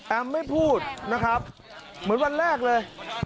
ไม่พูดนะครับเหมือนวันแรกเลย